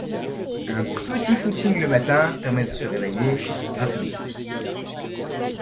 Un petit footing le matin permet de se réveiller rapidement.